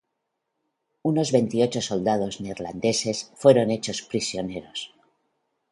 Unos veintiocho soldados neerlandeses fueron hechos prisioneros.